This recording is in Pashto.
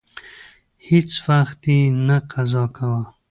هیڅ وخت یې نه قضا کاوه.